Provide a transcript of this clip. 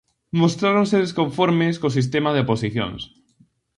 Mostráronse desconformes co sistema de oposicións.